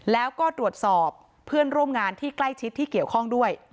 แล้วก็ตรวจสอบเพื่อนร่วมงานที่ใกล้ชิดที่เกี่ยวข้องด้วย